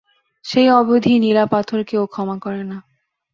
সেই অবধি নীলা-পাথরকে ও ক্ষমা করে না।